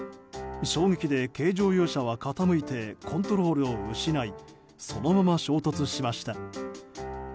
衝撃で、軽乗用車は傾いてコントロールを失いそのまま衝突しました。